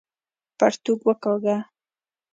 پرتوګ وکاږه!